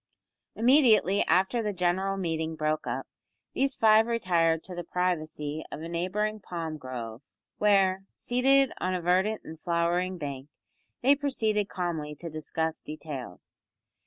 Immediately after the general meeting broke up, these five retired to the privacy of a neighbouring palm grove, where, seated on a verdant and flowering bank, they proceeded calmly to discuss details.